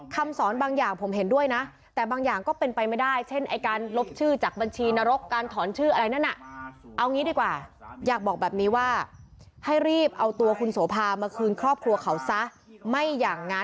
คำสอนบางอย่างผมเห็นด้วยนะ